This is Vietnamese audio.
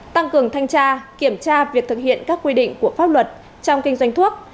tăng cường thanh tra kiểm tra việc thực hiện các quy định của pháp luật trong kinh doanh thuốc